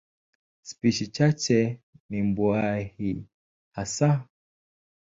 Spishi chache ni mbuai hasa.